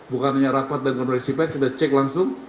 bukan hanya rapat dan koreksi ped kita cek langsung